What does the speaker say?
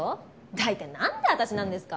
大体なんで私なんですか？